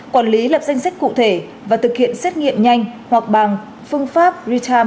quản lý lập danh sách cụ thể và thực hiện xét nghiệm nhanh hoặc bằng phương pháp retarm